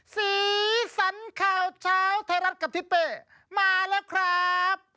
สีสันข่าวเช้าไทยรัฐกับทิศเป้มาแล้วครับ